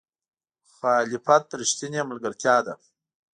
مخالفت رښتینې ملګرتیا ده.